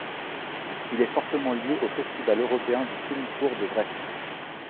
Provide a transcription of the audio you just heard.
Il est fortement lié au Festival européen du film court de Brest.